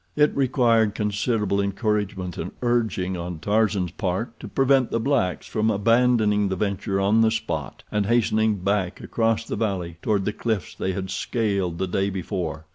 It required considerable encouragement and urging on Tarzan's part to prevent the blacks from abandoning the venture on the spot and hastening back across the valley toward the cliffs they had scaled the day before.